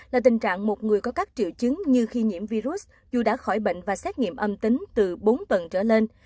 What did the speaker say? là tình trạng một người có các triệu chứng như khi nhiễm virus dù đã khỏi bệnh và xét nghiệm âm tính từ bốn tầng trở lên